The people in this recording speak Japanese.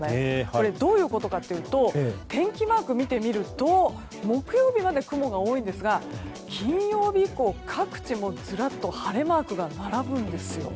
これ、どういうことかというと天気マークを見てみると木曜日までは雲が多いんですが金曜日以降各地、ずらっと晴れマークが並ぶんですよ。